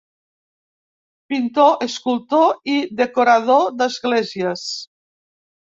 Pintor, escultor i decorador d'esglésies.